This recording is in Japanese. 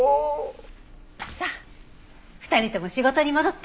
さあ２人とも仕事に戻って。